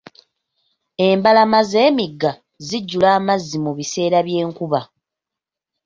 Embalama z'emigga zijjula amazzi mu biseera by'enkuba.